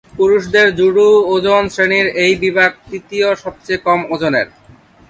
পুরুষদের জুডো ওজন শ্রেণীর এই বিভাগ তৃতীয় সবচেয়ে কম ওজনের।